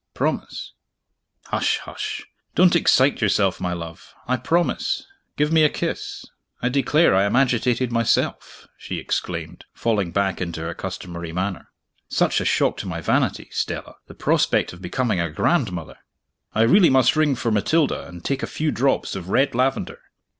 Promise!" "Hush, hush! don't excite yourself, my love; I promise. Give me a kiss. I declare I am agitated myself!" she exclaimed, falling back into her customary manner. "Such a shock to my vanity, Stella the prospect of becoming a grandmother! I really must ring for Matilda, and take a few drops of red lavender.